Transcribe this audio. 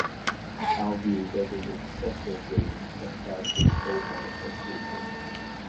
Elvire doesn’t excessively affect the Omer’s approval.